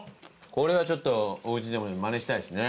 これはちょっとおうちでもマネしたいですね。